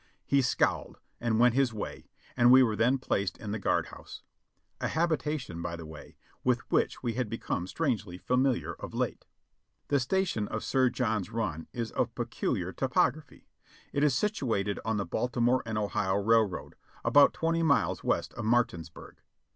He scowled and went his way, and we were then placed in the guard house : a habitation, by the way, with which we had become strangely familiar of late. The station of Sir John's Run is of peculiar topography : it is situated on the Baltimore and Ohio Railroad, about twenty miles west of Martinsburg.